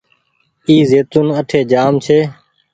اي زيتونٚ اٺي جآم ڇي۔